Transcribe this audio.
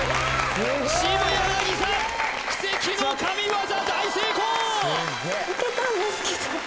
渋谷凪咲奇跡の神業大成功！